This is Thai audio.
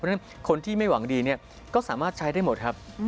เพราะฉะนั้นคนที่ไม่หวังดีเนี่ยก็สามารถใช้ได้หมดครับ